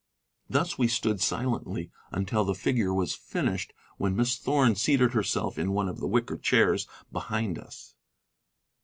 Thus we stood silently until the figure was finished, when Miss Thorn seated herself in one of the wicker chairs behind us.